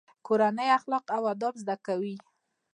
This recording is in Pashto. کورنۍ اخلاق او ادب زده کوي.